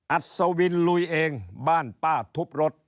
อัศวินลุยเองบ้านป้าทุบรถ